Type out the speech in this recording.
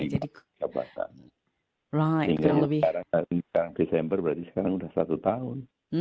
jadi sekarang desember berarti sekarang sudah satu tahun